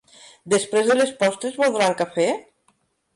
Després de les postres, voldran cafè?